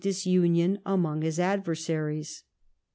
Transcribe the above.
disunion among, his adversaries.